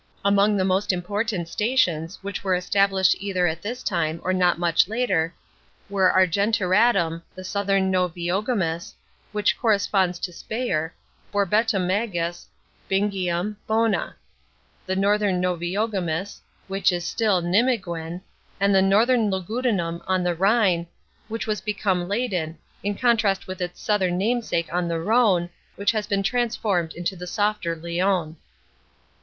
Among the most important stations, which were established either at this time or not much * Birten, near Xanteu. 9 B.O. DEATH OF DRUSUS. 129 later, were Argentoratum,* the southern Noviomagus, which corresponds to Speyer, Borbetomagus, Bingium, Bonna; the northern Noviomagus, which is still Nimeguen, and the northern Lugudunum on the Rhine, which has become Leyden, in contrast with its southern namesake on the Rhone, which has been trans formed into the softer Lyons.